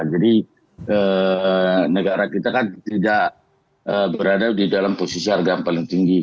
jadi negara kita kan tidak berada di dalam posisi harga yang paling tinggi